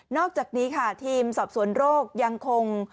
อกจากนี้ค่ะทีมสอบสวนโรคยังคง